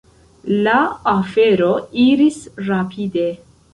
La afero iris rapide.